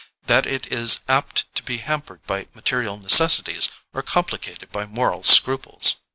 That it is apt to be hampered by material necessities or complicated by moral scruples?